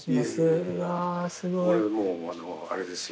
俺ももうあれですよ